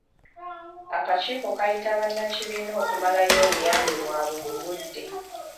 Akakiiko kayita bannakibiina okumalayo obuyambi bwabwe mu budde.